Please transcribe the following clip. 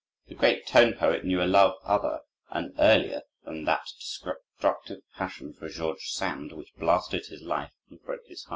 The great tone poet knew a love other and earlier than that destructive passion for George Sand which blasted his life and broke his heart.